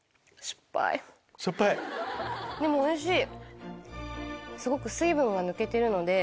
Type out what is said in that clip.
でもおいしい！